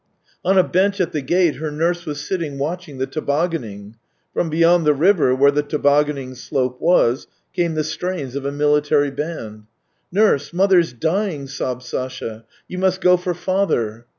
On a bench at the gate her nurse was sitting watching the tobogganing. From beyond the river, where the tobogganing slope was, came the strains of a military band. " Nurse, mother's dying !" sobbed Sasha. " You must go for father